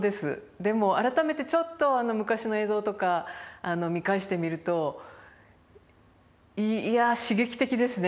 でも改めてちょっと昔の映像とか見返してみるといや刺激的ですね。